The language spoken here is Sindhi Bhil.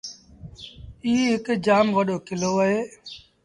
ايٚ هَڪ جآم وڏو ڪلو اهي۔